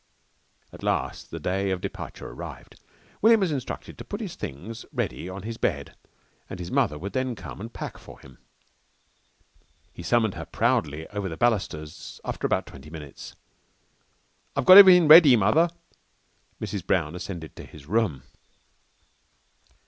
At last the day of departure arrived. William was instructed to put his things ready on his bed, and his mother would then come and pack for him. He summoned her proudly over the balusters after about twenty minutes. "I've got everythin' ready, Mother." Mrs. Brown ascended to his room.